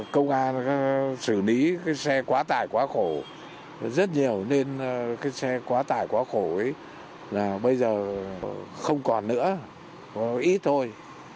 công an xử lý xe quá tài quá khổ rất nhiều nên xe quá tài quá khổ bây giờ không còn nữa ít thôi